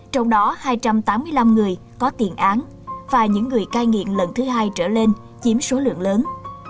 trong đó hai trăm tám mươi năm người có tiền án và những người cai nghiện lần thứ hai trở lên chiếm số lượng lớn